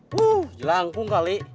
wuh jelangkung kali